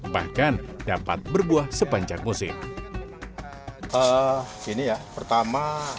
bahkan dapat berbuah sepanjang musim